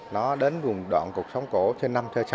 nó đến vùng đoạn cục sống cổ trên năm sáu